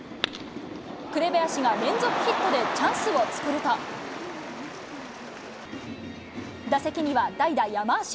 紅林が連続ヒットでチャンスを作ると、打席には代打、山足。